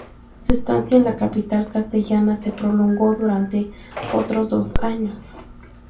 Su estancia en la capital castellana se prolongó durante otros dos años.